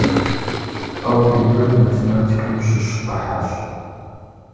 Алгебрэр математикэм щыщ ӏыхьэщ.